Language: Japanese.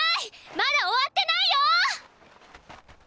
まだ終わってないよ！